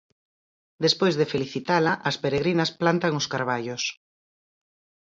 Despois de felicitala, as peregrinas plantan os carballos.